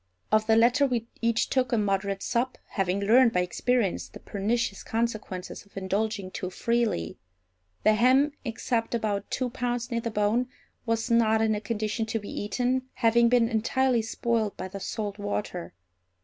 Of the latter we each took a moderate sup, having learned by experience the pernicious consequences of indulging too freely. The ham, except about two pounds near the bone, was not in a condition to be eaten, having been entirely spoiled by the salt water.